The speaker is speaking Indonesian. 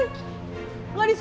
gak di sekolah gak di luar